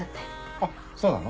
あっそうなの？